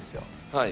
はい。